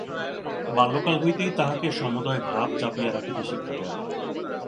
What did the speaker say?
বাল্যকাল হইতেই তাহাকে সমুদয় ভাব চাপিয়া রাখিতে শিক্ষা দেওয়া হয়।